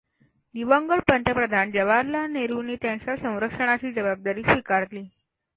दिवंगत पंतप्रधान जवाहरलाल नेहरूंनी त्यांच्या संरक्षणाची जबाबदारी स्वीकारली.